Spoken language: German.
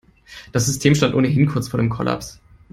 Das System stand ohnehin kurz vor dem Kollaps.